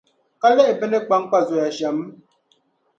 Ka lihi bɛ ni kpankpa zoya shɛm?